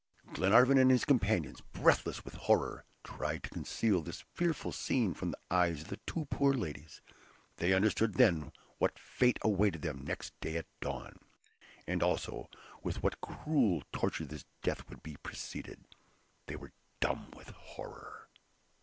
Glenarvan and his companions, breathless with horror, tried to conceal this fearful scene from the eyes of the two poor ladies. They understood then what fate awaited them next day at dawn, and also with what cruel torture this death would be preceded. They were dumb with horror.